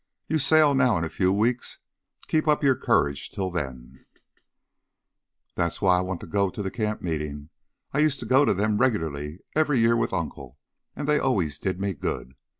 You sail now in a few weeks. Keep up your courage till then " "That's why I want to go to the camp meeting. I used to go to them regularly every year with Uncle, and they always did me good.